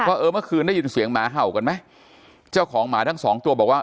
เออเมื่อคืนได้ยินเสียงหมาเห่ากันไหมเจ้าของหมาทั้งสองตัวบอกว่า